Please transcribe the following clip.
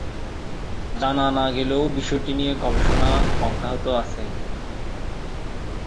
জানা না গেলেও বিষয়টি নিয়ে গবেষণা অব্যাহত আছে।